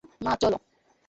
মা, চলো।